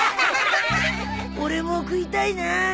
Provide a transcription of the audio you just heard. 俺も食いたいなぁ。